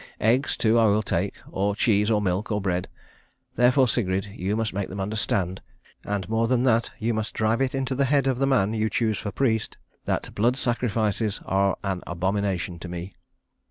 Eggs, too, I will take, or cheese, or milk, or bread. Therefore, Sigrid, you must make them understand and more than that, you must drive it into the head of the man you choose for priest, that blood sacrifices are an abomination to me."